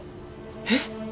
えっ？